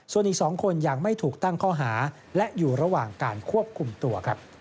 ส่วนอีก๒คนยังไม่ถูกตั้งข้อหาและอยู่ระหว่างการควบคุมตัวครับ